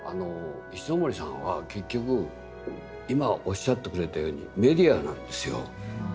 石森さんは結局今おっしゃってくれたようにメディアなんですよ。